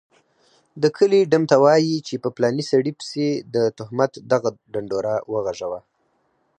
دکلي ډم ته وايي چي په پلاني سړي پسي دتهمت دغه ډنډوره وغږوه